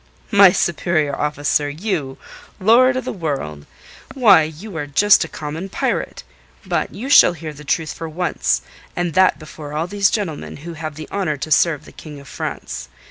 "My superior officer! You! Lord of the World! Why, you are just a common pirate! But you shall hear the truth for once, and that before all these gentlemen who have the honour to serve the King of France.